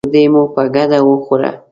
ډوډۍ مو په ګډه وخوړه.